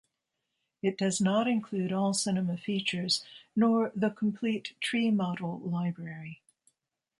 It does not include all Cinema features, nor the complete Tree Model Library.